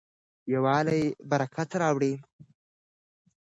یووالی برکت راوړي.